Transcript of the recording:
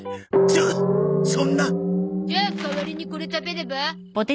じゃあ代わりにこれ食べれば？